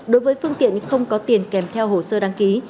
đối với phương tiện không có tiền kèm theo hồ sơ đăng ký